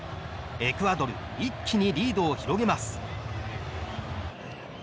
エクアドル一気にリードを広げます。